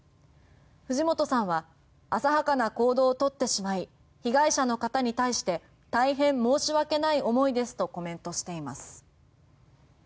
藤本さんは浅はかな行動を取ってしまい被害者の方に対して大変申し訳ない思いですとコメントしています。